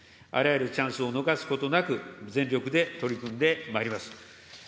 あらゆるチャンスを逃すことなく、全力で取り組んでまいります。